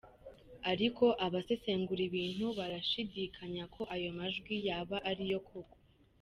Ariko abasesengura ibintu barashidikanya ko ayo majwi yaba ari yo koko.